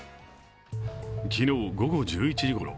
昨日、午後１１時ごろ。